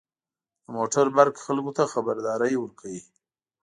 • د موټر بوق خلکو ته خبرداری ورکوي.